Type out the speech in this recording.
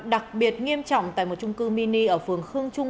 đặc biệt nghiêm trọng tại một trung cư mini ở phường khương trung